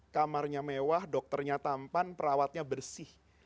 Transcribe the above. kamarnya mewah dokternya tampan perawatnya bersih